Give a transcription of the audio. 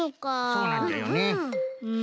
そうなんじゃよね。